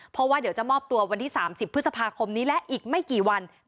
เพราะว่าเดี๋ยวจะมอบตัววันที่๓๐พฤษภาคมนี้และอีกไม่กี่วัน